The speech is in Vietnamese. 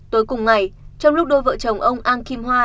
tối cùng ngày trong lúc đôi vợ chồng ông an kim hoa